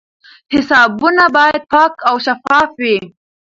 حسابونه باید پاک او شفاف وي.